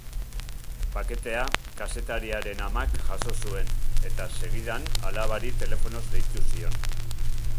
Paketea kazetariaren amak jaso zuen, eta segidan alabari telefonoz deitu zion.